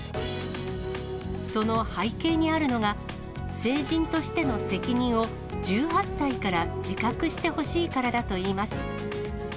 その背景にあるのが、成人としての責任を、１８歳から自覚してほしいからだといいます。